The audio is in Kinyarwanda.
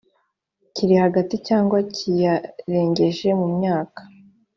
kiri hagati cyangwa kiyarengeje mu myaka